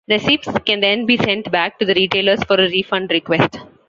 Receipts can then be sent back to the retailers for a refund request.